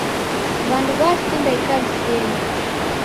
W'andu w'asinda ikanisenyi.